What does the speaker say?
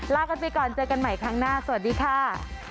ลากันไปก่อนเจอกันใหม่ครั้งหน้าสวัสดีค่ะ